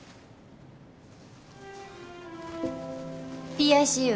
ＰＩＣＵ